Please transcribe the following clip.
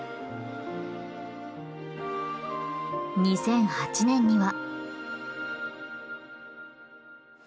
２００８年には。